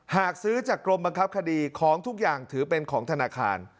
หากซื้อจากกรมบังคับคดีของทุกอย่างถือเป็นของธนาคาร